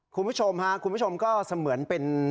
คุณผู้ชมค่ะคุณผู้ชมก็เสมือนเป็น